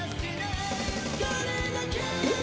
えっ？